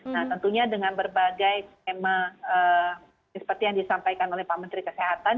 nah tentunya dengan berbagai skema seperti yang disampaikan oleh pak menteri kesehatan